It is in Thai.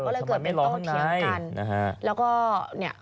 ก็เลยเกิดเป็นโต้เถียงกันนะฮะแล้วก็เนี่ย